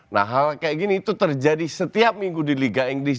karena kejadiannya seperti ini terjadi setiap minggu di liga inggris